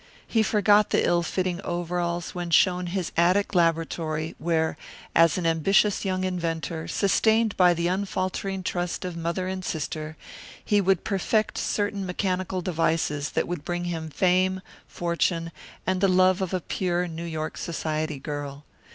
He forgot the ill fitting overalls when shown his attic laboratory where, as an ambitious young inventor, sustained by the unfaltering trust of mother and sister, he would perfect certain mechanical devices that would bring him fame, fortune, and the love of a pure New York society girl.